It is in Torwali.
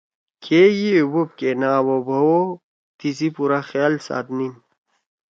کہ یِیئو بوب کے نہ اوا بھؤ او تِسی پورا خیال ساتنیِن ۔